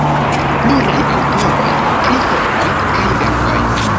Pluraj aŭtoroj, Pri homoj kaj verkoj.